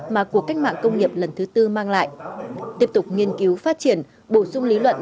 mà cuộc cách mạng công nghiệp lần thứ tư mang lại tiếp tục nghiên cứu phát triển bổ sung lý luận